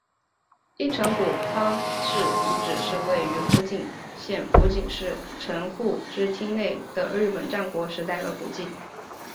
一乘谷朝仓氏遗迹是位于福井县福井市城户之内町的日本战国时代的古迹。